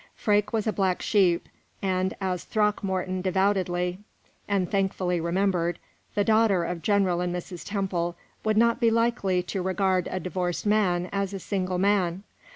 Freke was a black sheep, and, as Throckmorton devoutly and thankfully remembered, the daughter of General and Mrs. Temple would not be likely to regard a divorced man as a single man.